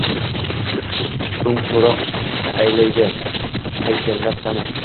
So’ng so’roq aylaydi: «Haykallar qani?»